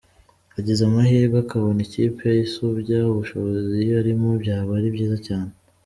Agize amahirwe akabona ikipe isumbya ubushobozi iyo arimo byaba ari byiza cyane.